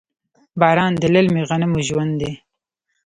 باران د للمي غنمو ژوند دی.